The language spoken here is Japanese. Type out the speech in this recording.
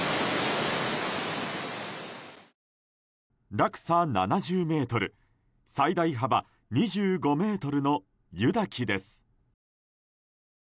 落差７０ｍ、最大幅２５ｍの湯滝です。